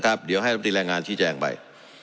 นะครับเดี๋ยวให้ตรวจติดแรงงานชี้แจงไป